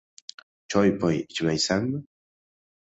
Choy-poy ichmaysanmi?